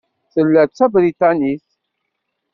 Tella d Tabriṭanit.